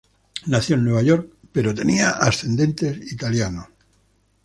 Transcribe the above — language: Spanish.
Nació en Nueva York pero tenía ascendentes italianos.